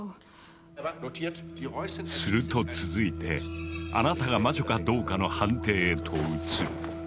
すると続いてあなたが魔女かどうかの判定へと移る。